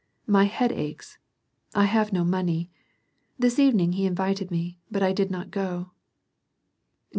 My head aches; I have no money. This evening he invited me, but I did not go.